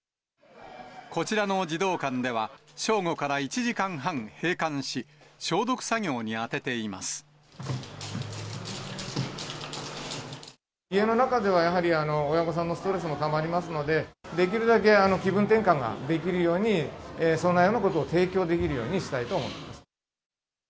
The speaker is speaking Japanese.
こちらの児童館では、正午から１時間半閉館し、家の中ではやはり、親御さんのストレスもたまりますので、できるだけ気分転換ができるように、そのようなことを提供できるようにしたいと思ってます。